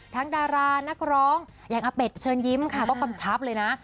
ดารานักร้องอย่างอาเป็ดเชิญยิ้มค่ะก็กำชับเลยนะ